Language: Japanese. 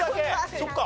そっか。